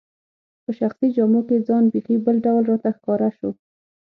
په شخصي جامو کي ځان بیخي بل ډول راته ښکاره شو.